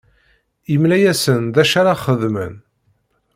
Yemla-asen d acu ara xedmen.